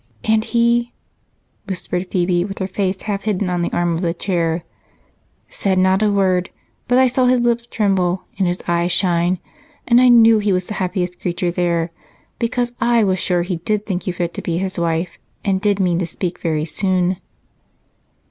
"And he?" whispered Phebe, with her face half hidden on the arm of the chair. "Said not a word, but I saw his lips tremble and his eyes shine and I knew he was the happiest creature there, because I was sure he did think you fit to be his wife and did mean to speak very soon."